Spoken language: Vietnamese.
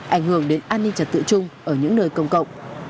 ảnh hưởng đến an ninh trật tự chung ở những nơi công cộng